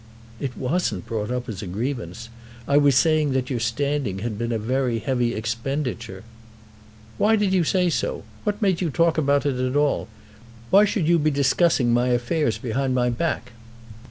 "It wasn't brought up as a grievance. I was saying that your standing had been a heavy expenditure " "Why did you say so? What made you talk about it at all? Why should you be discussing my affairs behind my back?"